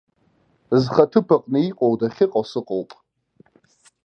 Зхы аҭыԥ аҟны иҟоу дахьыҟоу сыҟоуп.